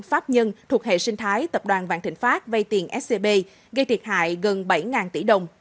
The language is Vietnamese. pháp nhân thuộc hệ sinh thái tập đoàn vạn thịnh pháp vay tiền scb gây thiệt hại gần bảy tỷ đồng